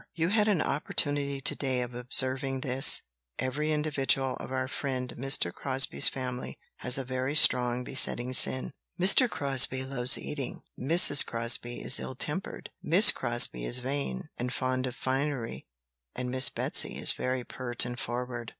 You had an opportunity to day of observing this: every individual of our friend Mr. Crosbie's family has a very strong besetting sin; Mr. Crosbie loves eating; Mrs. Crosbie is ill tempered; Miss Crosbie is vain, and fond of finery; and Miss Betsy is very pert and forward.